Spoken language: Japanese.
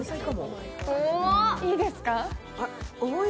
いいですか？